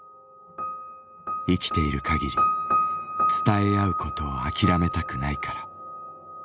生きている限り伝え合うことを諦めたくないから」。